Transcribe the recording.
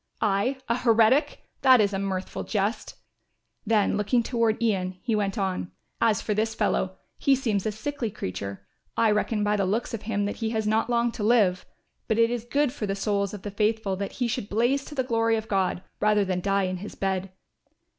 "I a heretic! That is a mirthful jest." Then looking toward Ian he went on, "As for this fellow, he seems a sickly creature; I reckon by the looks of him that he has not long to live. But it is good for the souls of the faithful that he should blaze to the glory of God rather than die in his bed.